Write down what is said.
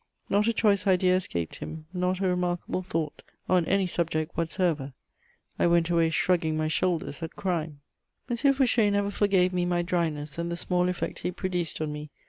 Not a choice idea escaped him, not a remarkable thought, on any subject whatsoever. I went away shrugging my shoulders at crime. M. Fouché never forgave me my dryness and the small effect he produced on me.